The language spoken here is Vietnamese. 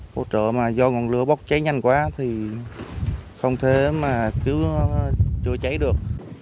hỗ trợ mà do ngọn lửa bốc cháy nhanh quá thì không thể mà cứ chữa cháy được